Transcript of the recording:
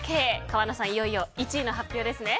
川名さん、いよいよ１位の発表ですね。